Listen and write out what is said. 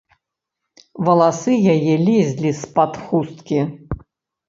Валасы яе лезлі з-пад хусткі.